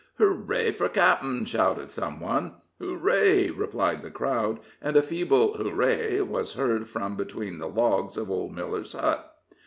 "Hooray for cap'en!" shouted some one. "Hooray!" replied the crowd, and a feeble "hooray"' was heard from between the logs of old Miller's hut.